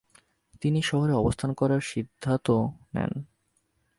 তিনি শহরে অবস্থান করার সিদ্ধাত নেন।